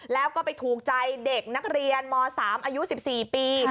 แล้วก็ไปถูกใจเด็กนักเรียนม๓อายุ๑๔ปี